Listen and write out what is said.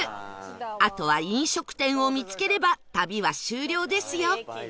あとは飲食店を見つければ旅は終了ですよ